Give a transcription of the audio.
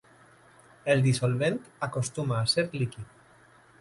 El dissolvent acostuma a ser líquid.